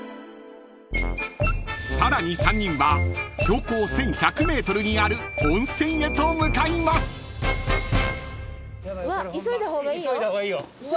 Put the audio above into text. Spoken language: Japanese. ［さらに３人は標高１，１００ｍにある温泉へと向かいます］